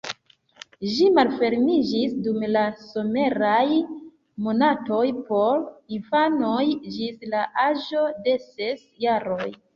Ĝi malfermiĝis dum la someraj monatoj por infanoj ĝis la aĝo de ses jaroj.